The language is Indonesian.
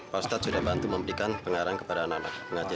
postat sudah bantu memberikan pengarang kepada anak anak